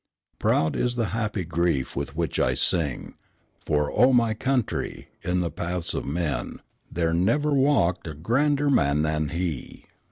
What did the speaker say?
Proud is the happy grief with which I sing; For, O my Country! in the paths of men There never walked a grander man than he!